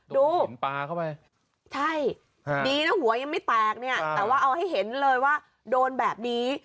ดูผมปลาเข้าไปใช่ดีนะหัวยังไม่แตกเนี่ยแต่ว่าเอาให้เห็นเลยว่าโดนแบบนี้